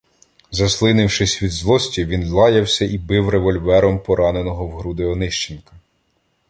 Заслинившись від злості, він лаявся і бив револьвером пораненого в груди Онищенка.